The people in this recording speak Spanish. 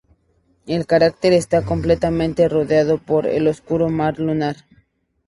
El cráter está completamente rodeado por el oscuro mar lunar.